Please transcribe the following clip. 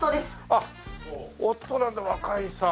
あっ夫なんだ若いさ。